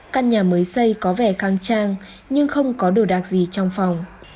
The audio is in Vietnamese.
căn nhà mới xây có vẻ khang trang nhưng không có đồ đạc gì trong phòng